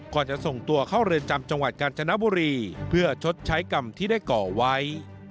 จะส่งตัวเข้าเรือนจำจังหวัดกาญจนบุรีเพื่อชดใช้กรรมที่ได้ก่อไว้